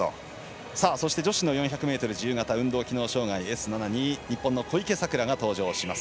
そして女子の４００ｍ自由形運動機能障がいＳ７に日本の小池さくらが登場します。